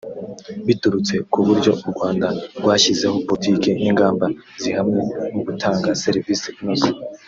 biturutse ku buryo u Rwanda rwashyizeho politiki n’ingamba zihamye mu gutanga serivisi inoze